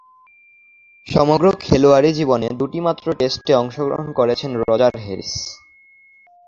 সমগ্র খেলোয়াড়ী জীবনে দুইটিমাত্র টেস্টে অংশগ্রহণ করেছেন রজার হ্যারিস।